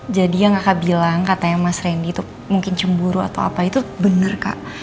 jadi yang kakak bilang katanya mas randy tuh mungkin cemburu atau apa itu bener kak